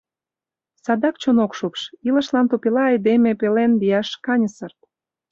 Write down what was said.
— Садак чон ок шупш, илышлан тупела айдеме пелен лияш каньысыр.